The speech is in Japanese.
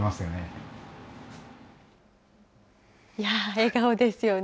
笑顔ですよね。